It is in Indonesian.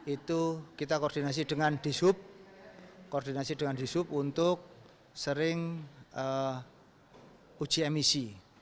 itu kita koordinasi dengan dishub koordinasi dengan dishub untuk sering uji emisi